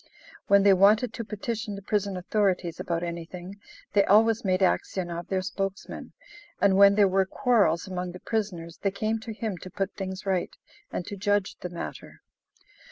When they wanted to petition the prison authorities about anything, they always made Aksionov their spokesman, and when there were quarrels among the prisoners they came to him to put things right, and to judge the matter.